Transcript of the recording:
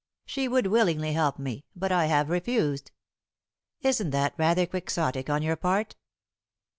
She would willingly help me, but I have refused." "Isn't that rather quixotic on your part?"